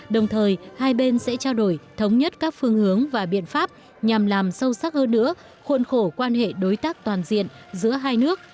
đồng thời hai bên sẽ trao đổi thống nhất các phương hướng và biện pháp nhằm làm sâu sắc hơn nữa khuôn khổ quan hệ đối tác toàn diện giữa hai nước